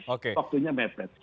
oke waktunya mepet